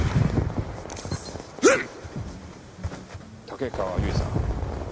竹川由衣さん